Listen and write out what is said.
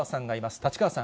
立川さん。